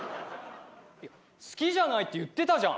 「好きじゃない」って言ってたじゃん。